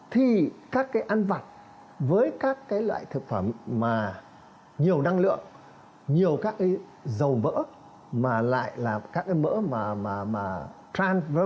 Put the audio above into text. thì các cái ăn vặt với các cái loại thực phẩm mà nhiều năng lượng nhiều các cái dầu mỡ mà lại là các cái mỡ mà tran